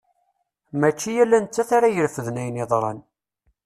Mačči ala nettat ara irefden ayen yeḍran.